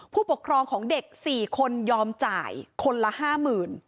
ผู้ปกครองของเด็ก๔คนยอมจ่ายคนละ๕๐๐๐บาท